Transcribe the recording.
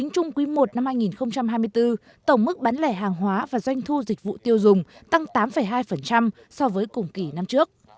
cuối một năm hai nghìn hai mươi bốn tổng mức bán lẻ hàng hóa và doanh thu dịch vụ tiêu dùng tăng tám hai so với cùng kỳ năm trước